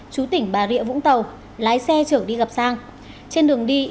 chú tỉnh bà rịa vũng tàu lái xe chở đi gặp sang